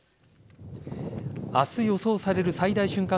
明日予想される最大瞬間